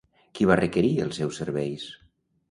Qui va requerir els seus serveis?